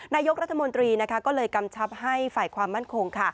นายกรัฐมนตรีก็เลยกำชับให้ฝ่ายความมั่นคง